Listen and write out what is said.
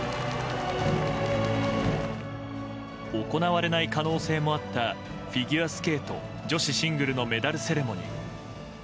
行われない可能性もあったフィギュアスケート女子シングルのメダルセレモニー。